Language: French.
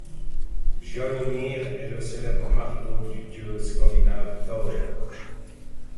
Mjöllnir est le célèbre marteau du dieu scandinave Thor.